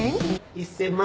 １，０００万